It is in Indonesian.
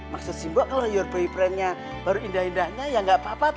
maksud simbok kalau boyfriendmu baru indah indahnya ya enggak apa apa